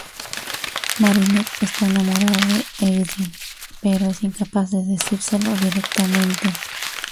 Marinette está enamorada de Adrien pero es incapaz de decírselo directamente.